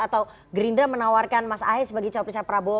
atau gerindra menawarkan mas ahe sebagai cowok perusahaan prabowo